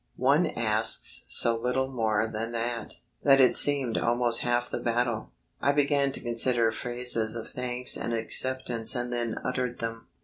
One asks so little more than that, that it seemed almost half the battle. I began to consider phrases of thanks and acceptance and then uttered them.